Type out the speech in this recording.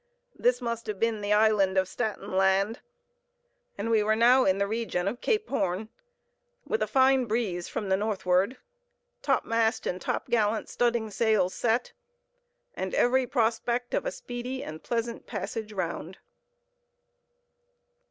This must have been the island of Staten Land; and we were now in the region of Cape Horn, with a fine breeze from the northward, topmast and topgallant studding sails set, and every prospect of a speedy and pleasant passage round.